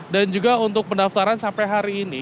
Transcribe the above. dan juga untuk pendaftaran sampai hari ini